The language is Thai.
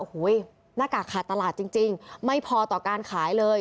โอ้โหหน้ากากขาดตลาดจริงไม่พอต่อการขายเลย